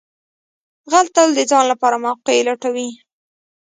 غل تل د ځان لپاره موقع لټوي